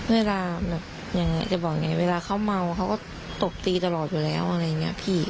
เวลาแบบอย่างนี้จะบอกไงเวลาเขาเมาเขาก็ตบตีตลอดอยู่แล้วอะไรอย่างนี้พี่